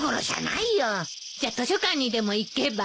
じゃ図書館にでも行けば？